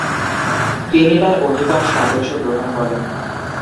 তিনি তার অধিকাংশ আদর্শ গ্রহণ করেন।